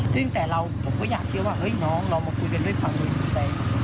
ซึ่งแต่เราผมก็อยากเชื่อว่าน้องเรามาคุยกันด้วยฝั่งโดยสิทธิ์ใด